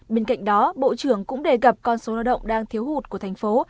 bên cạnh đó bộ trưởng cũng đề cập con số lao động đang thiếu hụt của thành phố